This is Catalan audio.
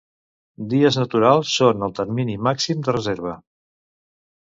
Dies naturals són el termini màxim de reserva.